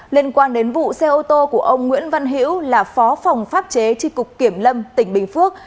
liên quan đến vụ xe ô tô của ông nguyễn văn hiễu là phó phòng pháp chế tri cục kiểm lâm tỉnh bình phước